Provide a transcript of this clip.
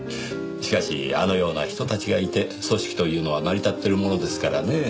しかしあのような人たちがいて組織というのは成り立ってるものですからねぇ。